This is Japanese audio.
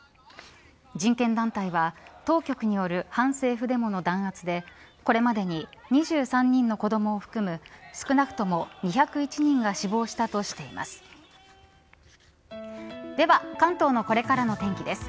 人権団体は当局による反政府デモの弾圧でこれまでに２３人の子どもを含む少なくとも２０１人が死亡したとしています。